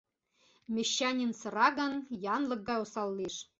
Мещанин сыра гын, янлык гай осал лиеш.